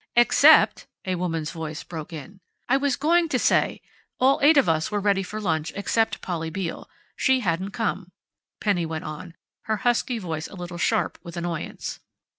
"Except " a woman's voice broke in. "I was going to say all eight of us were ready for lunch except Polly Beale. She hadn't come," Penny went on, her husky voice a little sharp with annoyance.